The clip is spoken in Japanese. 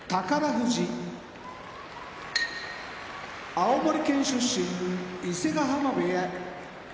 富士青森県出身伊勢ヶ濱部屋